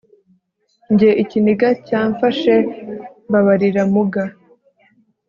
Njye ikiniga cyamfashe mbabarira muga